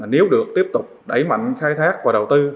nếu được tiếp tục đẩy mạnh khai thác và đầu tư